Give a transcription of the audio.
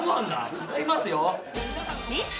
違いますよ」